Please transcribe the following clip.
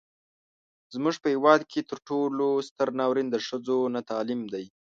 زموږ په هیواد کې تر ټولو ستر ناورين د ښځو نه تعليم دی.